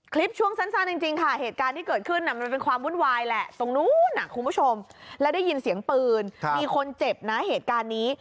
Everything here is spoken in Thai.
คลิปช่วงสั้นจริงค่ะเหตุการณ์ที่เกิดขึ้นมันเป็นความวุ่นวายแหละตรงนู้นคุณผู้ชมแล้วได้ยินเสียงปืนมีคนเจ็บนะเหตุการณ์นี้